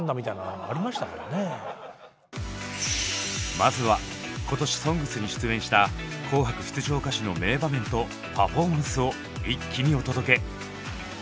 まずは今年「ＳＯＮＧＳ」に出演した紅白出場歌手の名場面とパフォーマンスを一気にお届け。